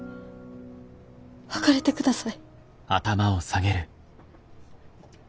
別れてください。